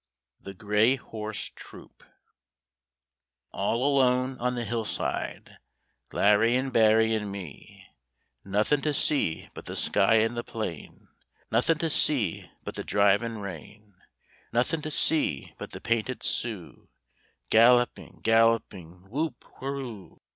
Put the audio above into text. THE "GREY HORSE TROOP" All alone on the hillside Larry an' Barry an' me; Nothin' to see but the sky an' the plain, Nothin' to see but the drivin' rain, Nothin' to see but the painted Sioux, Galloping, galloping: "Whoop whuroo!